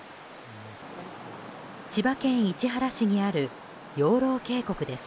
千葉県市原市にある養老渓谷です。